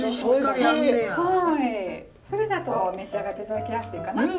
それだと召し上がって頂きやすいかなと。